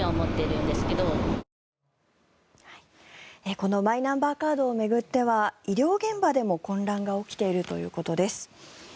このマイナンバーカードを巡っては医療現場でも混乱が起きているということです。